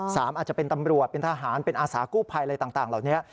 อาจจะเป็นตำรวจเป็นทหารเป็นอาสากู้ภัยอะไรต่างเหล่านี้